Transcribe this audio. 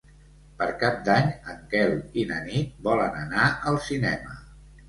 Per Cap d'Any en Quel i na Nit volen anar al cinema.